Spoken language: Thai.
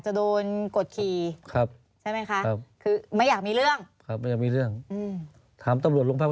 ต้องสืบของคน